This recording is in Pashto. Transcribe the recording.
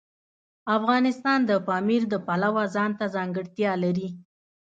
افغانستان د پامیر د پلوه ځانته ځانګړتیا لري.